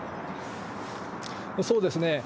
そうですね。